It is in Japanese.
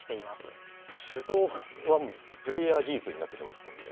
手動はもうプレーヤー技術になってきますもんね。